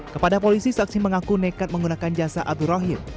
kepada polisi saksi mengaku nekat menggunakan jasa abdurrahim